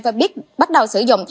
và biết bắt đầu sử dụng